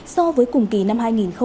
so với cùng kỳ năm hai nghìn hai mươi hai